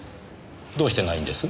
どうしてないんです？